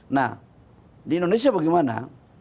nah di indonesia bagaimana